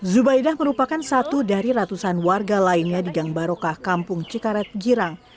zubaidah merupakan satu dari ratusan warga lainnya di gang barokah kampung cikaret girang